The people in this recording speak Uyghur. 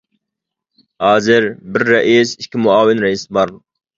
ھازىر بىر رەئىس، ئىككى مۇئاۋىن رەئىس بار.